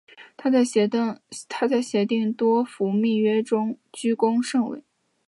她在协定多佛密约中居功甚伟。